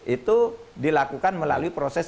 itu dilakukan melalui proses